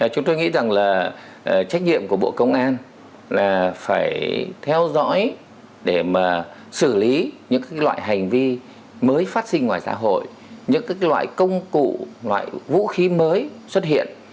chúng tôi nghĩ rằng là trách nhiệm của bộ công an là phải theo dõi để mà xử lý những loại hành vi mới phát sinh ngoài xã hội những loại công cụ loại vũ khí mới xuất hiện